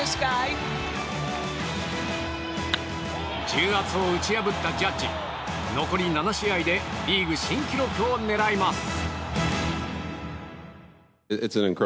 重圧を打ち破ったジャッジ残り７試合でリーグ新記録を狙います。